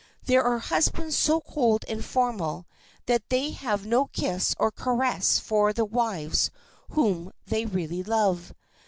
There are husbands so cold and formal that they have no kiss or caress for the wives whom they really love.